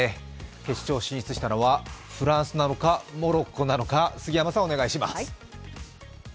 決勝進出したのはフランスなのか、モロッコなのか杉山さん、お願いします。